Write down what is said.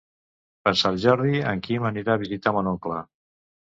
Per Sant Jordi en Quim anirà a visitar mon oncle.